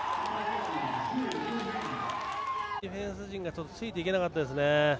ディフェンス陣がついていけなかったですね。